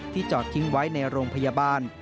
จอดทิ้งไว้ในโรงพยาบาล